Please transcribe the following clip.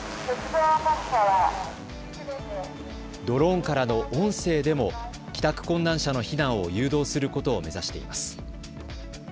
ドローンからの音声でも帰宅困難者の避難を誘導することを目指しています。